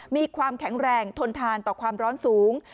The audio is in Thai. มีความแข็งแรงทนทานต่อความร้อนสูง